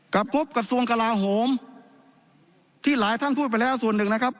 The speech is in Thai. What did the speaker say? พบกระทรวงกลาโหมที่หลายท่านพูดไปแล้วส่วนหนึ่งนะครับ